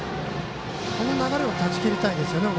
この流れを断ち切りたいですね。